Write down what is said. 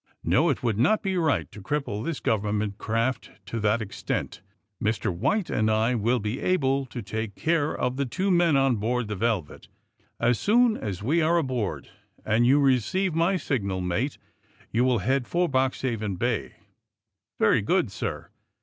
*^No; it would not be right to cripple this government craft to that extent. Mr. "White and I will be able to take care of the two men on board the * Velvet.' As soon as we are aboard, and you receive my signal, mate, you will head for Boxbaven Bay." '^Very good, sir."